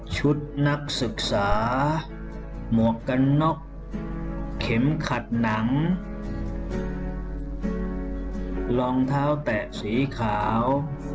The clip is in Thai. ชุดนักศึกษาหมวกกันน็อกเข็มขัดหนังรองเท้าแตะสีขาว